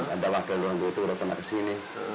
ada wakil luar negeri itu udah datang kesini